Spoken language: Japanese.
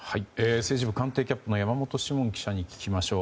政治部官邸キャップの山本志門記者に聞きましょう。